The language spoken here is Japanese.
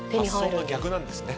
発想が逆なんですね。